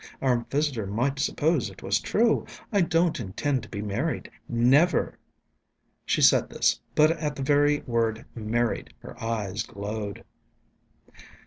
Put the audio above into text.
"Our visitor might suppose it was true. I don't intend to be married. Never!" She said this, but at the very word "married" her eyes glowed.